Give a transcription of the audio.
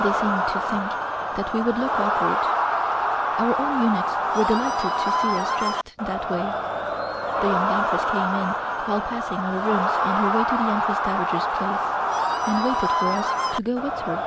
They seemed to think that we would look awkward. Our own eunuchs were delighted to see us dressed that way. The Young Empress came in while passing our rooms on her way to the Empress Dowager's Palace, and waited for us to go with her.